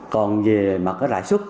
còn về mặt cái lãi suất